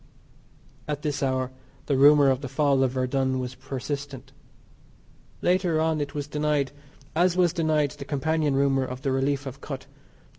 At this hour the rumour of the fall of Verdun was persistent. Later on it was denied, as was denied the companion rumour of the relief of Kut.